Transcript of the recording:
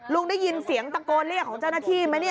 ลุงได้ยินเสียงตะโกนเรียกของเจ้าหน้าที่ไหมเนี่ย